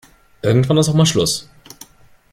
Irgendwann ist auch mal Schluss.